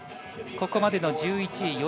ここまでの１１位。